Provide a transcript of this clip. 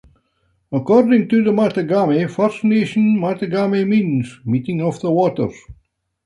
According to the Mattagami First Nation, Mattagami means "Meeting of the Waters".